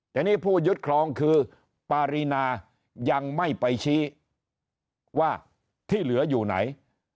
แต่นี่ผู้ยึดครองคือปารีนายังไม่ไปชี้ว่าที่เหลืออยู่ไหน